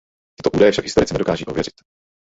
Tyto údaje však historici nedokáží ověřit.